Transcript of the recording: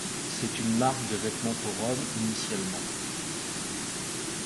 C'est une marque de vêtements pour hommes, initialement.